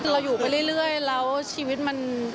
คือเราอยู่ไปเรื่อยแล้วชีวิตมัน